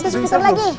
udah bisa lu